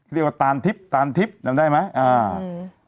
เรียกว่าตานทิพย์ตานทิพย์จำได้ไหม